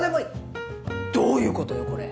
どういうことよこれ？